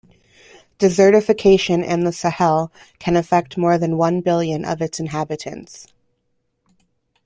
Desertification in the Sahel can affect more than one billion of its inhabitants.